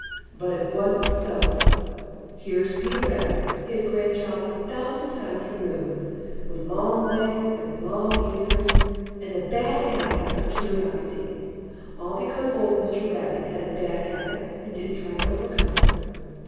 But it wasn't so. Here is Peter Rabbit, his grandchild a thousand times removed, with long legs and long ears, and the bad habit of curiosity, all because old Mr. Rabbit had a bad habit and didn't try to overcome it.